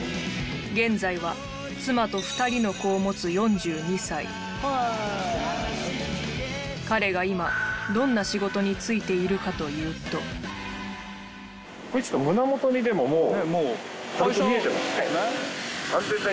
現在は妻と２人の子を持つ４２歳彼が今どんな仕事に就いているかというと胸元にもう見えてます。